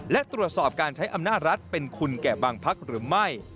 และตรวจสอบการใช้อำนาจรัฐเป็นคุณแก่บางพักหรือไม่